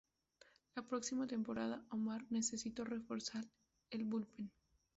La próxima temporada Omar necesitó reforzar el bullpen.